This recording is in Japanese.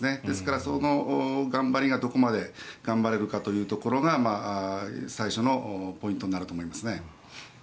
ですから、その頑張りがどこまで頑張れるかというところが最初のポイントになると思います。